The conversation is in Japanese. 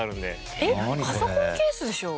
えっパソコンケースでしょ？